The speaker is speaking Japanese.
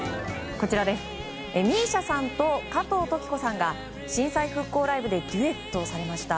ＭＩＳＩＡさんと加藤登紀子さんが震災復興ライブでデュエットされました。